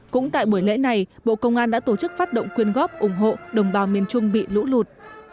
cũng tại buổi lễ này bộ công an đã tổ chức phát động quyên góp ủng hộ đồng bào miền trung bị lũ lụt